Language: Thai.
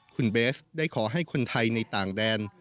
คุณเบสได้ขอให้คนไทยในต่างแดน